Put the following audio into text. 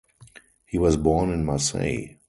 He was born in Marseille.